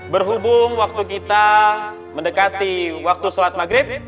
berhubung waktu kita mendekati waktu sholat maghrib